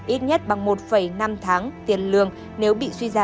ít nhất bằng một năm tháng tiền lương